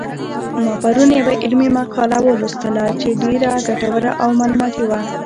ما پرون یوه علمي مقاله ولوستله چې ډېره ګټوره او معلوماتي وه